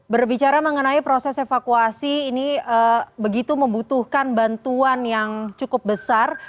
berbicara mengenai proses evakuasi ini begitu membutuhkan bantuan yang cukup besar